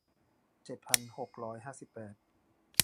เจ็ดพันหกร้อยห้าสิบแปด